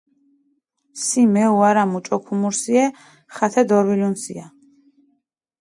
სი მეუ ვარა, მუჭო ქუმურსიე, ხათე დორჸვილუნსია.